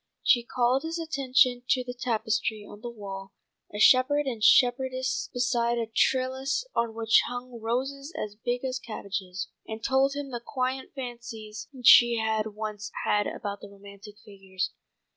She called his attention to the tapestry on the wall, a shepherd and shepherdess beside a trellis on which hung roses as big as cabbages, and told him the quaint fancies she had once had about the romantic figures.